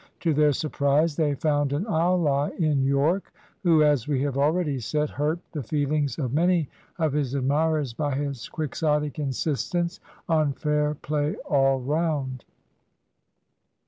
To their surprise they found an ally in Yorke, who, as we have already said, hurt the feelings of many of his admirers by his Quixotic insistence on fair play all round.